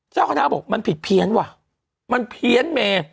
เจ้าคณะบอกมันผิดเพี้ยนว่ะมันเพี้ยนเม